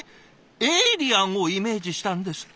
エイリアンをイメージしたんですって。